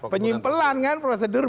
penyimpelan kan prosedur